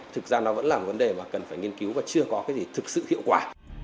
thực ra nó vẫn là một vấn đề mà cần phải nghiên cứu và chưa có cái gì thực sự hiệu quả